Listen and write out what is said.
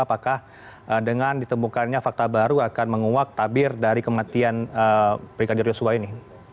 apakah dengan ditemukannya fakta baru akan menguak tabir dari kematian brigadir yosua ini